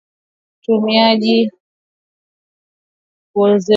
utumiaji wa viazi lishe hupunguza kuzeeka